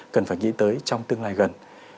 cần phải nghĩ tới trong tương lai gần